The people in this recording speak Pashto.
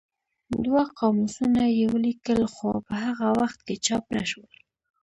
دوه قاموسونه یې ولیکل خو په هغه وخت کې چاپ نه شول.